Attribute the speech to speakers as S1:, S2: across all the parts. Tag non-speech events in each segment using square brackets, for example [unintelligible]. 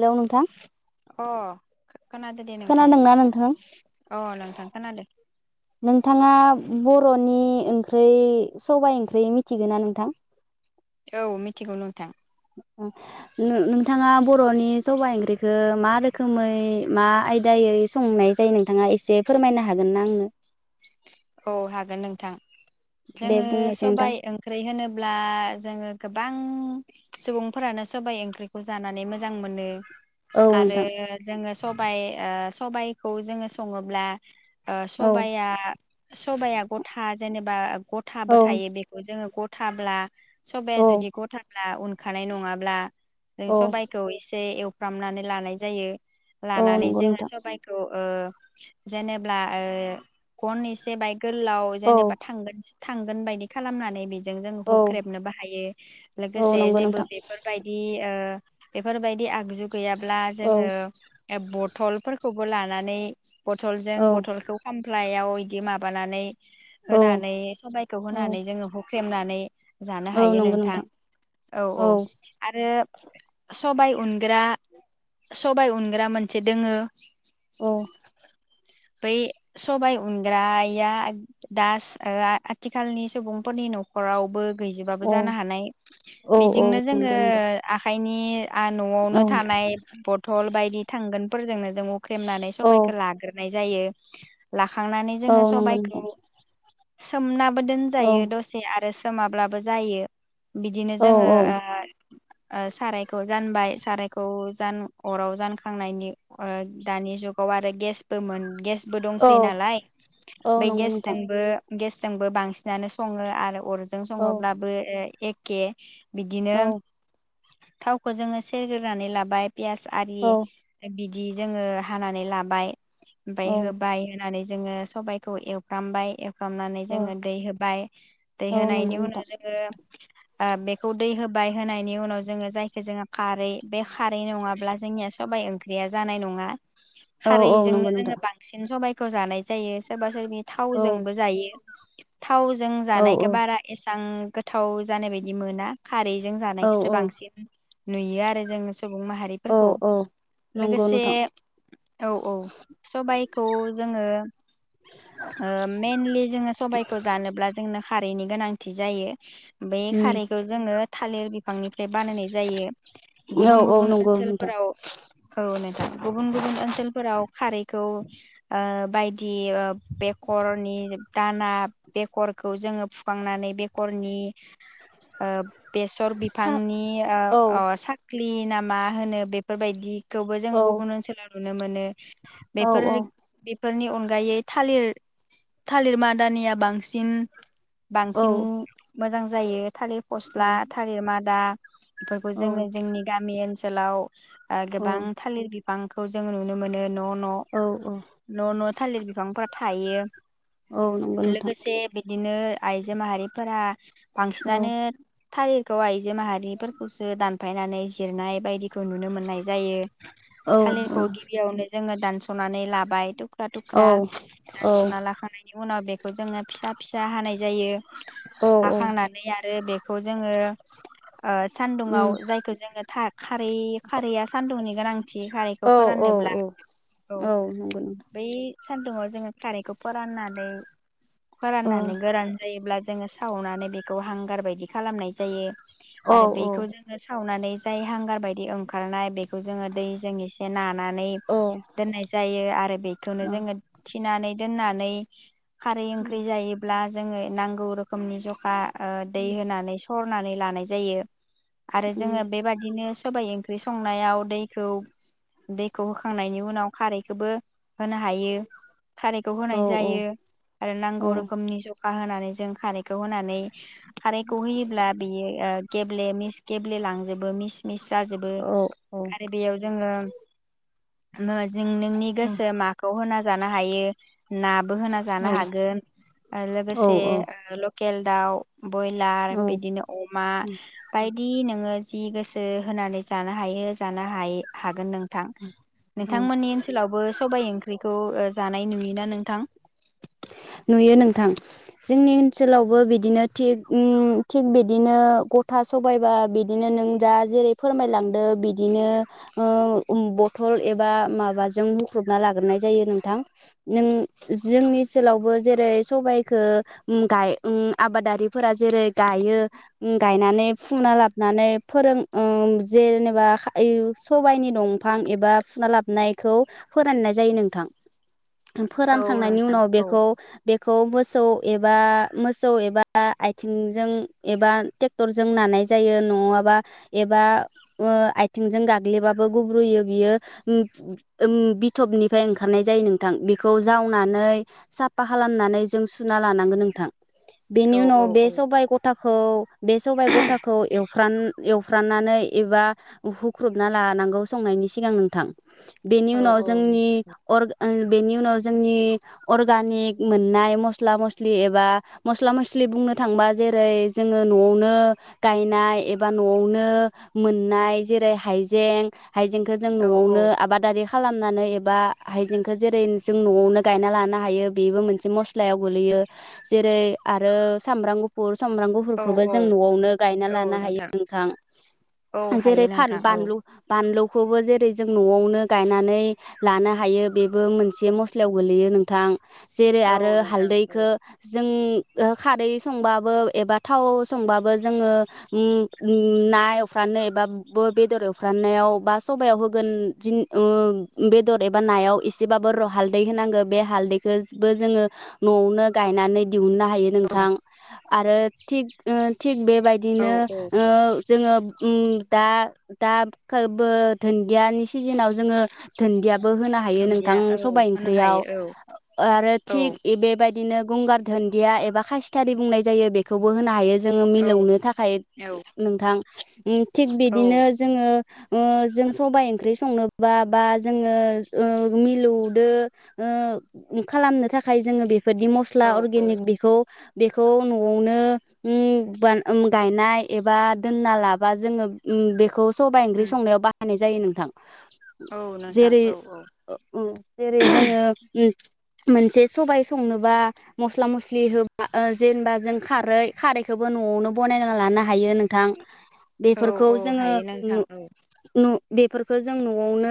S1: थौ नोंथां
S2: अ खोनादो दे नोंथां
S1: खोनादोंना नोंथां
S2: अ नोंथां खोनादो।
S1: नोंथाङा बर'नि ओंख्रै सबायाइ ओंख्रि मिथिगोन ना नोंथां
S2: औ मिथिगौनो नोंथां
S1: नोंथाङा बर'नि सबाय ओंख्रिखौ मा रोखोमै मा आयदायै संनाय जायो नोंथाङा एसे फोरमायनो हागोन ना आंनो
S2: औ हागोन नोंथां
S1: दे
S2: जोङो
S1: बुंनायसै नोंथां
S2: सबाय ओंख्रि होनोब्ला जोङो गोबां सुबुंफोरानो सबाइ ओंख्रिखौ जानानै मोजां मोनो।
S1: औ
S2: आरो
S1: नोंथां
S2: जोङो सबाय सबाइखौ जोङो सङोब्ला ओ
S1: औ
S2: सबाइआ सबाइया गथा जेनेबा गथाबो
S1: औ
S2: थायो बेखौ जों जोङो गथाब्ला सबाया
S1: औ
S2: जुदि गथाब्ला उन खानाय नङाब्ला
S1: औ
S2: सबाइखौ एसे फ्रामनानै लानाय जायो।
S1: औ
S2: लानानै
S1: नंगौ
S2: जोङो
S1: नोंथां
S2: सबायखौ ओ जेनेब्ला ओ [unintelligible] गोलाव
S1: औ
S2: जेनेबा थांगोन थांगोन बायदि खालामनानै बिदि जों जों
S1: औ
S2: हुख्रेबनो बाहायो
S1: औ
S2: लोगोसे
S1: नंगौ
S2: जेबो
S1: नोंथां
S2: बेफोरबायदि ओ बेफोरबायदि आगजु गैयाब्ला
S1: औ
S2: जोङो बथल फो खौबो लानानै बथलजों
S1: औ
S2: बथलखौ खामफ्लाय आव बिदि माबानानै
S1: औ
S2: होनानै सबायखौ होनानै
S1: औ
S2: जोङो हुख्रेमनानै जानो
S1: औ
S2: हायो
S1: नंगौ
S2: नोंथां औ औ आरो सबाय उनग्रा सबाय उनग्रा मोनसे दोङो
S1: औ
S2: बे सबाय उनग्राया दास ओआ आथिखालनि सुबुंफोरनि नखरावबो गैजोबाबो
S1: औ
S2: जानो हानाय
S1: औ औ
S2: बिदिंनो जोङो
S1: नंगौ नोंथां
S2: आखाइनि आ
S1: औ
S2: न'आवनो थानाय बथल बायदि थांगोन। फोरजोंनो जोङो हुख्रेमनानै
S1: औ
S2: सबायखो लाग्रो नाय जायो। लाखांनानै
S1: औ
S2: जोङो
S1: नंगौ नोंथां
S2: सबायखौ सोमना
S1: औ
S2: दोनजायो दसे आ ओ सोमाब्लाबो जायो। बिदिनो
S1: औ
S2: जोङो ओ। ओ साराय खौ जानबाय सारायखौ जान अराव जानखांनायनि ओ दानि जुगाव आरो गेस मोन गेस बो
S1: औ
S2: दंसै नालाय
S1: औ
S2: ओमफ्राय
S1: नंगौ नोंथां
S2: गेसजोंबो गेस जोंबो बांसिनानो सङो आरो अर जों
S1: औ
S2: सङोब्लाबो एखे
S1: औ
S2: बिदिनो थावखौ जोङो सेरग्रोनानै लाबाय पियास आरि
S1: औ
S2: बि बिदि जोङो हानानै लाबाय। ओमफ्राय होबाय होनानै जोङो सबायखौ एवफ्रामबाय एवफ्रामनानै
S1: औ
S2: जोङो दै होबाय दै
S1: औ नंगौ
S2: होनायनि उनाव
S1: नोंथां
S2: जोङो ओ बेखौ दै होबाय। होनायनि उनाव जोङो जायखौ जोङो खारै बे खारै नङाब्ला जोंनिया सबबाय ओंख्रिया जानाय नङा
S1: औ
S2: खारै
S1: औ
S2: बेजोंनो
S1: नंगौ
S2: जों
S1: नोंथां
S2: बांसिन सबाय खौ जानाय जायो सोरबा सोरनि
S1: औ
S2: थावजोंबो जायो थावजों
S1: औ
S2: जानायखौ बारा एसां गोथाव जानाय बायदि मोना। खारैजों
S1: औ
S2: जानायखौसो
S1: औ
S2: बांसिन नुयो आरो जों। सुबुं
S1: औ
S2: माहारिफोरखौ
S1: औ नंगौ
S2: लोगोसे
S1: नोंथां
S2: औ औ। सबाइखौ जोङो ओ मेनलि जोङो सबाइखौ जानोब्ला जोंनो खा रैनि गोनांथि जायो। बे
S1: उम
S2: खारैखौ जोङो थालिर बिफांनिफ्राय बानायनाय जायो
S1: औ
S2: गुबुन
S1: औ
S2: गुबुन
S1: नंगौ नोंथां
S2: ओनसोलफोराव औ नोंथां गुबुन गुबुन ओनसोलफोराव खारैखौ ओ बायदि ओ बेखरनि दाना बेखरखौ जोङो फुखांनानै बेखरनि ओ बेसर
S1: सा
S2: बिफांनि
S1: औ
S2: ओ अ स क्लि नामा होनो बेफोरबायदि बेखौबो जों
S1: औ
S2: गुबुन ओनसोलाव नुनों मोनो।
S1: औ
S2: बेफोर
S1: औ
S2: बि फोरनि अनगायै थालिर थालिर मादानिया बांसिन
S1: औ
S2: बांसिन। मोजां जायो। थालिर फस्ला थालिर मा दा बेफोरखौ
S1: औ
S2: जोङो जोंनि गामि ओनसोल सोलाव ओ गोबां थालिर बि बिफांखौ जों नुनो मोनो न' न'-न'
S1: औ
S2: -न' थालिर बिफांफोरा थायो
S1: नंगौ नोंथां
S2: लोगोसे बिदिनो आइजो माहारिफोरहा
S1: औ
S2: बांसिनानो थारिलखौ हाय जो माहारिफोरखौसो दान फायनानै जिरनाय बायदि खौ नुनो मोननाय जायो,
S1: औ औ
S2: थालिरखौ गिबियावनो जोङो दानसनानै लाबाय
S1: औ
S2: थुख्रा-थुख्रा
S1: औ
S2: दानसना लाखांनायनि उनाव बेखौ जोङो फिसा-फिसा हानाय जायो। हाखांनानै आरो बेखौ जोङो ओ सानदुं आव
S1: उम
S2: जायखौ जोङो था खारै खारैया सानदुंनि गोनां थि हारिखौ
S1: औ औ
S2: फोराननोब्ला
S1: औ नंगौ नोंथां।
S2: सान्दुुं आव जोङो खारैखौ फोराननानै
S1: औ
S2: फोराननानै गोरान जायोब्ला जोङो सावनानै बेखौ हांगार बायदि खालामनाय जायो।
S1: औ
S2: आरो बेखौ जोङो सावनानै जाय हांगार बायदि ओंखारनाय बे बेखौ जोङो दैजों एसे नानानै
S1: औ
S2: नाय जायो आरो बेखौनो जोङो
S1: औ
S2: थि थिनानै दोननानै खारै ओंख्रि
S1: औ
S2: जायोब्ला जोङो नांगौ रोखोमनि जखा, ओ दै
S1: उम
S2: होनानै सं सरनानै लानाय जायो। आरो
S1: उम
S2: जोङो बेबादिनो सबाइ ओंख्रि संनायाव दैखौ दैखौ होखांनायनि उनाव खारैखौबो होनो हायो। खारैखौ
S1: औ
S2: होनाय जायो आरो
S1: औ
S2: नांगौ रोखोमनि ज [unintelligible] होनानै जों खारै [unintelligible] होनानै खारैखौ होयोब्ला बेयो ओ गेब्ले मिस गेब्ले लांजोबो मिस मिस जाजोबो
S1: औ औ
S2: आरो बेयाव जोङो [unintelligible] जों नोंनि गोसो माखौ होनाज जानो हायो। नाबो होना जानो हागोन ओ लोगोसे
S1: औ
S2: ओ लक केल दाउ बयलार
S1: औ
S2: बिदिनो अमा बायदि नोङो जि गोसो होनानै जानो हायो जानो हाय हागोन नों थां [unintelligible]
S1: औ
S2: थांमोननि ओनसोलावबो सबायाइ ओंख [unintelligible] खौ जानाय नुयोना नोंथां?
S1: नुयो नोंथां जोंनि ओनसोलावबो बिदिनो थिग उम थिग बिदिनो गथा सबायबा बिदिनो नों दा जेरै फोरमायलांदो बिदिनो ओ उम बथल एबा माबाजों हुख्रुबना लाग्रोनाय जायो नोंथां नों जोंनि ओनसोलावबो जेरै सबाइखो उम गाय उम आबादारिफोरा जेरै गायो उम गायनानै फुना लाबानै फोरों ओ जेनेबा यै सबायनि दंफां एबा फुना लाबनायखौ फोराननाय जायो नोंथां।
S2: औ
S1: फोरानखांनायनि
S2: नोंथां
S1: उनाव बे
S2: औ
S1: खौ बे खौ मोसौ एबा मोसौ एबा आथिंजों एबा टेक्टरजों नानाय जायो नङाबा एबा ओ आथिंजों गाग्लिबाबो गुब्रुयो बियो ओम ओम बिथबनिफ्राय ओंखारनाय जायो नोंथां बेखौ जावनानै साफा खालामनानै जों सुना लानांगोन नोंथां। बेनि
S2: औ
S1: उनाव
S2: औ
S1: बे
S2: औ
S1: सबाइ गथाखौ बे सबाइ गथाखौ एवफ्रान एवफ्राननानै एबा हुख्रुबना लानांगौ संनायनि सिगां नोंथां। बेनि
S2: औ
S1: उनाव
S2: औ
S1: जोंनि अर ओ बेनि उनाव जोंनि अर्गानिक मोननाय मस्ला मस्लि एबा मस्ला मस्लि बुंनो थांबा जेरै जोङो नआवनो गायनाय एबा नआवनो मोननाय जेरै हाइजें हाइजेंखो जों नआवनो आबादारि खालाम नानै एबा हायजेंखो जेरै जों नआवनो गायना लाना हायो बेबो मोनसे मस्लायाव गोलैयो जेरै आरो सामब्राम गफुर सामब्राम
S2: औ
S1: गुफोरखौबो
S2: औ
S1: जों नआवनो गायना लानो हायो नोंथां
S2: औ हायो
S1: जेरै फान
S2: नोंथां औ
S1: बानलु बानलौ खौबो जेरै जों नआवनो गायनानै लानो हायो बेबो मोनसे मस्लायाव गोलैयो नों थां जेरै
S2: औ
S1: आरो
S2: नोंथां औ
S1: हालदैखो जों ओ खारै संबाबो एबा थाव संबाबो जोङो उम उम ना एवफ्रानो एबा बो बेदर एवफ्रामनायाव बा सबायाव होगोन ओ बेदर एबा नायाव एसेबाबो र हालदै होनांगोन बे हालदैखौबो जोङो न'आवनो गायनानै दिहुननो हायो नोंथां आरो थिग ओ थिग थिग
S2: औ
S1: बेबायदिनो
S2: औ
S1: ओ जोङो ओ दा दा खोबो दुन्दियानि सिजोनाव जोङो दोनन्दिया बो होनो हायो
S2: दुन्दिया
S1: नोंथां
S2: औ
S1: सबाइ
S2: होनो
S1: ओंख्रियाव
S2: हायो
S1: अ आरो
S2: औ
S1: थिक बेबाय बिदिनो गंगार धोन्दिया एबा खासिथारि बुंनाय जायो बेखौबो होनो हायो। जोङो
S2: औ
S1: मिलौनो थाखाय
S2: औ
S1: नोंथां [unintelligible] उम थिग
S2: औ औ
S1: बिदिनो जोङो ओ जों सबाइ ओंख्रि संनोबा बा जोङो ओ मिलौदो ओ खालामनो थाखाय जोङो बे बेबायदि मस्ला अर्गेनिक
S2: उम
S1: बेखौ बेखौ न'आवनो ओ बान गायनाय एबा दोनना लाबा जोङो ओ बे खौ सबाइ ओंख्रि संनायाव बायनाय जायो नों नोंथां
S2: औ नोंथां
S1: जेरै
S2: औ औ
S1: ओ जेरै जोङो उम मोनसे सबाय संनोबा मस्ला मस्लि होबा ओ जेनेबा जों खारै खारैखौबो न'आवनो बनायना लानो हा हायो नोंथां
S2: औ
S1: बेफोरखौ
S2: औ
S1: जोङो
S2: हायो
S1: नु
S2: नोंथां औ
S1: नु बेफोरखौ जों न'आवनो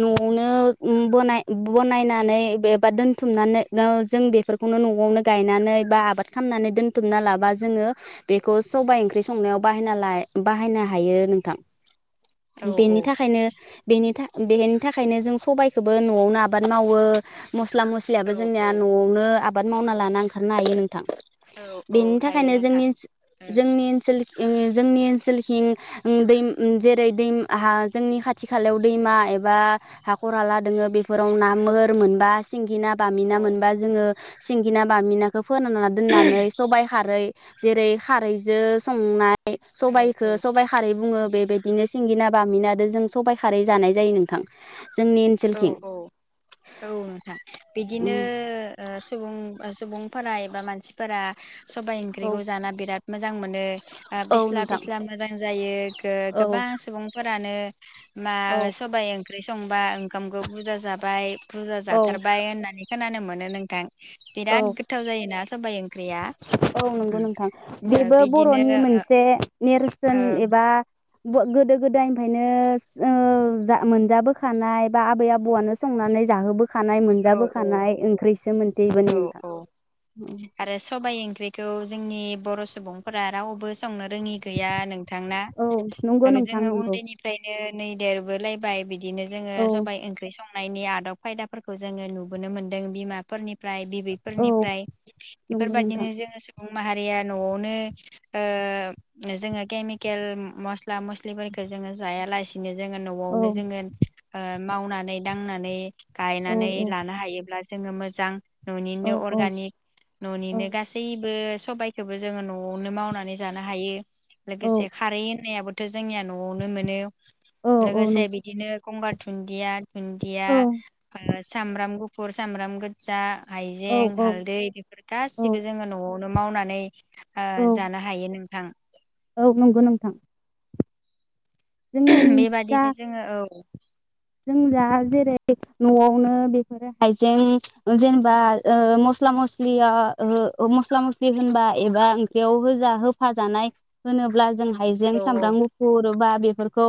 S1: न'आवनो ओ बनाय-बनायनानै एबा दोनथुमनानै गा जों बेफोरखौनो न'आवनो गायनानै बा आबाद खालामनानै दोनथुमना लाबा जोङो बेखौ सबाय ओंख्रि संनायाव ब-बाहायनो हायो नोंथां।
S2: औ
S1: बेनि थाखायनो बेनि थाखाय बेनि थाखायनो जों सबायखोबो न'आवनो आबाद मावो मस्ला मस्लियाबो
S2: औ
S1: जोंनिया न'आवनो आब बाद मावना लाना ओंखारनो हायो नोंथां
S2: औ औ
S1: बेनि
S2: हायो
S1: थाखायनो
S2: नोंथां
S1: जोंनि ओनस
S2: औ
S1: जोंनि ओनसोल जोंनि ओनसोलखिं दैम जेरै दै हा जोंनि खाथि खालायाव दैमा एबा हाखर हाला दङो बेफोराव ना मो फोर मोनबा सिंगिना बामिना
S2: औ
S1: मोनबा जोङो सिंगिना बामिनाखौ फोरानना‌ दोननानै सबाइ खारै जेरै खारैजो संनाय सबायखौ सबाइ खारै बुङो बेबायदिनो सिंगिना बामिनाजों जों सबबाय खारै जानाय जायो नोंथां जोंनि
S2: औ
S1: ओनसोलथिं
S2: औ औ औ नोंथां बिदिनो ओ सुबुं सुबुंफोरा एबा मानसिफोरा सबाइ
S1: औ
S2: ओंख्रिखौ जाना बिराद मोजां मोनो ओ
S1: औ
S2: फिस्ला
S1: नोंथां
S2: फिस्ला मोजां जायो
S1: औ
S2: गोबां सुबुंफोर फोरानो मा
S1: औ
S2: सबाय ओं ख्रि संबा ओंखामखौ बुरजा जाबाय बुरजा
S1: औ
S2: जाथारबाय होननानै खोनानो मोनो नोंथां
S1: औ
S2: बिराद गोथाव जायोना सबाइ ओंख्रिया
S1: औ नंगौ
S2: ओ
S1: नोंथां बेबो
S2: बिदिनो
S1: बरनि मोनसेेर नेर सोन
S2: ओ
S1: एबा गोदो गोदायनिफ्रायनो ओ मोनजाबोखानाय बा आबै आबौआनो संनानै जाहोबो खानाय
S2: औ
S1: मोनजाबोखानाय ओंख्रिसो मोन
S2: औ
S1: [unintelligible]
S2: ख्रिखौ जोंनि बर सुबुंफोरा रावबो संनो रोङि गैया नोंथांना
S1: औ नंगौ नोंथां
S2: जोङो
S1: नंगौ
S2: उन्दैनिफ्रायनो नै देरबोलायबाय बिदि बिदिनो जोङो
S1: औ
S2: सबाइ ओंख्रि संङो नायनि आदब खायदाफोरखौ जोङो नुुबोनो मोनदों बिमाफोरनि ओमफ्राय
S1: औ
S2: बिबैफोरनिफ्राय
S1: नंगौ
S2: बेफोरबायदिनो
S1: नोंथां
S2: जोङो सुबुं माहारिया न आवनो ओ जोङो केमिकेल मस्ला मस्लिखो जोङो जायालासेनो जोंङो न
S1: औ
S2: आवनो जोङो ओ मावनानै दांनानै
S1: औ
S2: गायनानै
S1: औ
S2: लानो हायोब्लासो जोङो मोजां न
S1: औ
S2: निनो
S1: औ
S2: अर्गानिक न निनो
S1: औ
S2: गासैबो सबायखौबो जोङो नआवनो मावनानै जानो हायो
S1: औ
S2: लोगोसे खारै होननायाबो थ जोंनिया नआवनो मोनो
S1: औ औ
S2: लोगोसे
S1: नंगौ
S2: बिदिनो गंगार दुन्दिया दुन्दिया
S1: औ
S2: सामब्राम गुुफ फुर, सामब्राम गोजा,
S1: औ
S2: हाइजें,
S1: औ
S2: हालदै बेफोर
S1: औ
S2: गासिबो जोङो न'आव नो मावनानै ओ
S1: औ
S2: जानो हायो थां।
S1: औ नंगौ नोंथां। जों जा
S2: बेबादिनो जोङो औ।
S1: जों दा जेरै न'आवनो बेफोरो हाइजें जेनेबा ओ मस्ला मस्लिया ओ मस्ला मस्लि होनबा एबा ओंख्रियाव होजा होफा जानाय होनोब्ला जोंहा हाइजें,
S2: औ औ
S1: सामब्राम गुफुर बा बेफोरखौ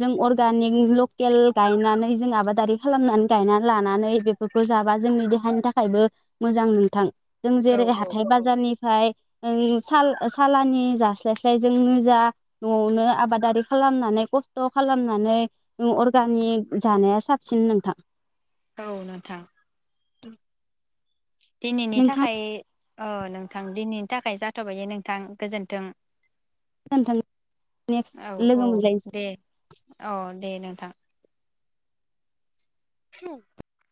S1: जों अरगानिख लकेल गायनानै जों आबादारि खालामनानै गायनानै लानानै बेफोरखौ जाबा जोंनि देहानि थाखायबो मोजां नोंथां जों
S2: औ
S1: जेरै हाथाय
S2: औ औ
S1: बाजारनिफाय ओइ साल-सालानि जास्लायस्लाय जोंनो जा न'आवनो आबादारि खालामनानै खस्थ खालामनानै अर गानिक जानाया साबसिन नोंथां।
S2: औ नोंथां।
S1: [inaudible]
S2: दिनैनि
S1: नोंथां
S2: थाखाय अ नोंथां दिनैनि थाखाय जाथबायदे नोंथां गोजोन्थों।
S1: [unintelligible]
S2: औ
S1: नेक्स्ट
S2: औ
S1: लोगो मोनलायनोसै
S2: दे औ। दे नोंथां।
S1: [inaudible]